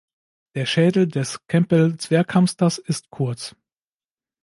Der Schädel des Campbell-Zwerghamsters ist kurz.